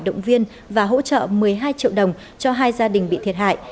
động viên và hỗ trợ một mươi hai triệu đồng cho hai gia đình bị thiệt hại